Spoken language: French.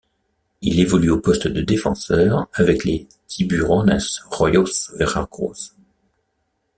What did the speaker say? Il évolue au poste de défenseur avec les Tiburones Rojos Veracruz.